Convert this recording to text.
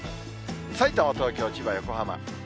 さいたま、東京、千葉、横浜。